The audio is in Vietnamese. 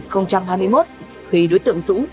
khi đối tượng dũng